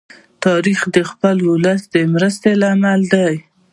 تاریخ د خپل ولس د مرستی لامل دی.